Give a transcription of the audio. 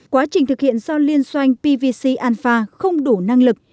quá trình thực hiện do liên xoanh pvc alpha không đủ năng lực